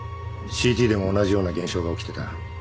ＣＴでも同じような現象が起きてた。